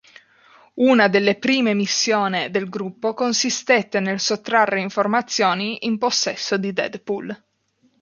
Una delle prime missione del gruppo consistette nel sottrarre informazioni in possesso di Deadpool.